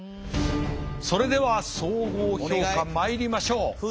それでは総合評価まいりましょう。